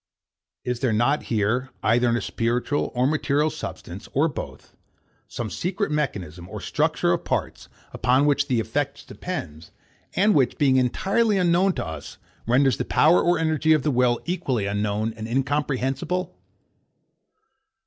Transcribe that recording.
Is there not here, either in a spiritual or material substance, or both, some secret mechanism or structure of parts, upon which the effect depends, and which, being entirely unknown to us, renders the power or energy of the will equally unknown and incomprehensible?